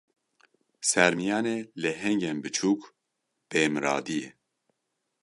Sermiyanê lehengên biçûk, bêmiradî ye.